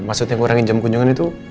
maksudnya ngurangin jam kunjungan itu